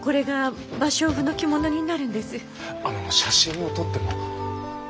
あの写真を撮っても？